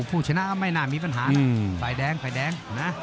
ผู้ชนะไม่น่ามีปัญหานะไฟแดงไฟแดง